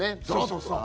そうそう。